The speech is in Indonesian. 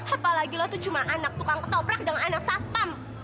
apalagi lo tuh cuma anak tukang ketoprak dengan anak satpam